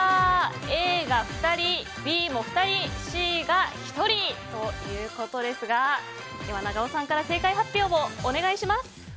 Ａが２人Ｂも２人、Ｃが１人ということですが長尾さんから正解発表をお願いします。